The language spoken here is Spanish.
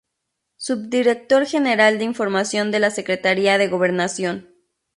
Subdirector General de Información de la Secretaría de Gobernación.